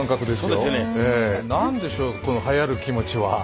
何でしょうこのはやる気持ちは。